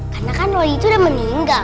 karena kan loli itu udah meninggal